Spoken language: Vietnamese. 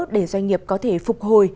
để doanh nghiệp có thể phục hồi